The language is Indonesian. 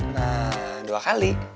nah dua kali